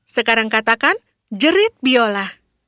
sekarang katakan jerit biola